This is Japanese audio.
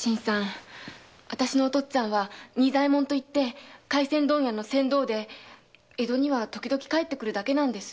お父っつぁんは仁左衛門といって廻船問屋の船頭で江戸には時々帰ってくるだけなんです。